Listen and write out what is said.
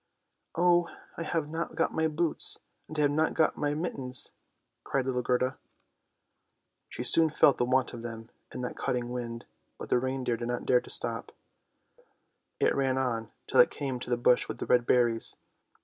" Oh, I have not got my boots, and I have not got my mittens! " cried little Gerda. She soon felt the want of them in that cutting wind, but the reindeer did not dare to stop. It ran on till it came to the bush with the red berries.